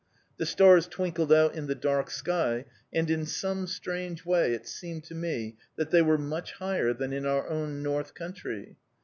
The stars twinkled out in the dark sky, and in some strange way it seemed to me that they were much higher than in our own north country.